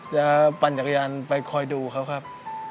จะปั่นยากยานไปคอยดูครับครับ